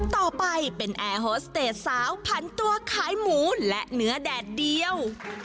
ต่อไปเป็นแอร์โฮสเตจสาวพันตัวขายหมูและเนื้อแดดเดียว